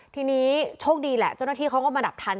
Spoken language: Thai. ทีนี้โชคดีแหละเจ้าหน้าที่เขาก็มาดับทัน